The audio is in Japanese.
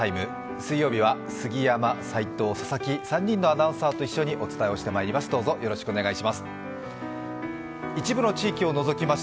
水曜日は杉山、齋藤、佐々木、３人のアナウンサーと一緒にお届けしてまいります。